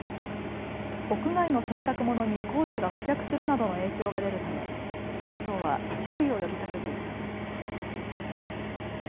屋外の洗濯物に黄砂が付着するなどの影響が出るため気象庁は注意を呼びかけています。